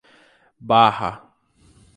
Barra